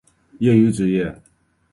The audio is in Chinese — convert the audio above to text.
业余职业